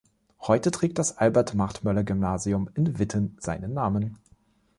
Heute trägt das Albert-Martmöller-Gymnasium in Witten seinen Namen.